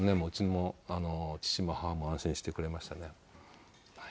うちの父も母も安心してくれましたね。